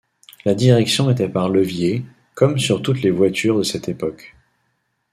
La direction était par levier, comme sur toutes les voitures de cette époque.